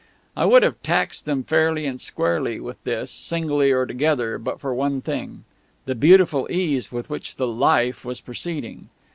I would have taxed them fairly and squarely with this, singly or together, but for one thing the beautiful ease with which the "Life" was proceeding.